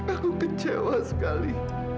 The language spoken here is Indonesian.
aku kecewa sekali